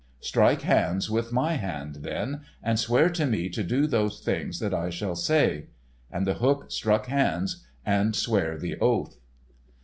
Strike hands with my hand then, and swear to me to do those things that I shall say." And The Hook struck hands and sware the oath.